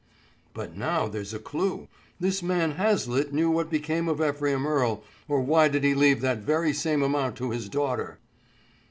"But now there's a clue. This man Hazlitt knew what became of Ephraim Earle, or why did he leave that very same amount to his daughter?"